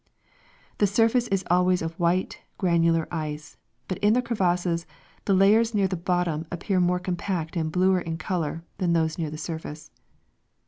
The surface is always of white, gran ular ice, but in the crevasses the layers near the bottom appear more compact and bluer in color than those near the surface.